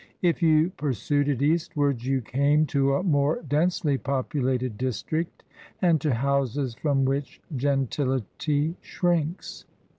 If you pursued it eastwards you came to a more densely populated district and to houses from which gentility shrinks.